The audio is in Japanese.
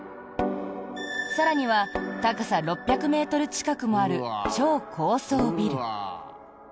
更には、高さ６００ｍ近くもある超高層ビル。